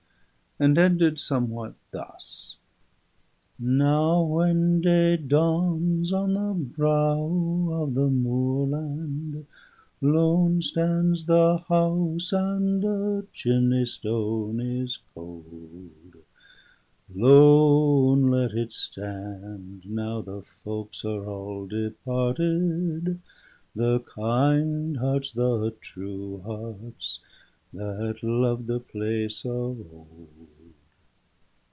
And ended somewhat thus "Now, when day dawns on the brow of the moorland, Lone stands the house, and the chimney stone is cold, Lone let it stand, now the folks are all departed, The kind hearts, the true hearts, that loved the place of old."